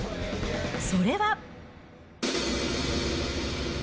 それは。